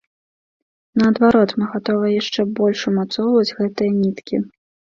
Наадварот, мы гатовыя яшчэ больш умацоўваць гэтыя ніткі.